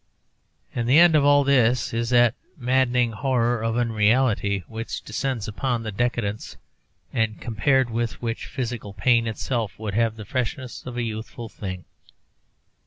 And the end of all this is that maddening horror of unreality which descends upon the decadents, and compared with which physical pain itself would have the freshness of a youthful thing.